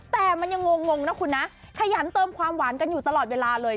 แต่มันยังงงนะคุณนะขยันเติมความหวานกันอยู่ตลอดเวลาเลย